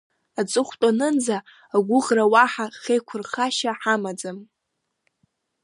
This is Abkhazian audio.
Аҵыхәтәанынӡа агәыӷра, уаҳа хеиқәырхашьа ҳамаӡам.